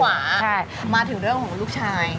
ก็กูขวาใช่มาถึงเรื่องของลูกชาย